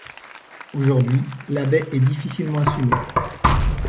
Aujourd’hui, la baie est difficilement assumée.